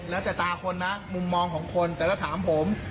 แล้วแต่ตาคนนะมุมมองของคนแต่ถ้าถามผม